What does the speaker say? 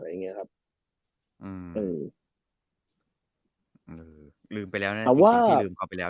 อะไรอย่างเงี้ยครับอืมอืมลืมไปแล้วน่ะแต่ว่าที่ลืมเขาไปแล้ว